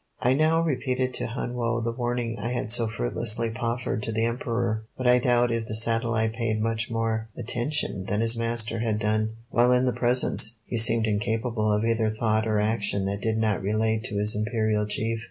I now repeated to Hun Woe the warning I had so fruitlessly proffered to the Emperor, but I doubt if the satellite paid much more attention than his master had done. While in the presence he seemed incapable of either thought or action that did not relate to his Imperial chief.